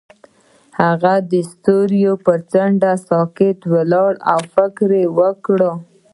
هغه د ستوري پر څنډه ساکت ولاړ او فکر وکړ.